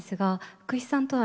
福士さんとは。